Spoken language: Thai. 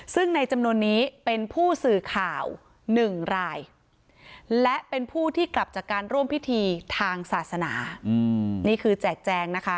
ซึ่งในจำนวนนี้เป็นผู้สื่อข่าว๑รายและเป็นผู้ที่กลับจากการร่วมพิธีทางศาสนานี่คือแจกแจงนะคะ